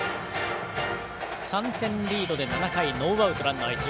３点リードで７回ノーアウトランナー、一塁。